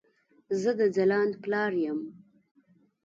زه د ځلاند پلار يم